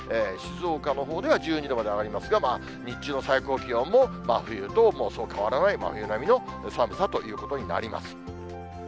静岡のほうでは１２度まで上がりますが、日中の最高気温も真冬とそう変わらない、真冬並みの寒さということになります。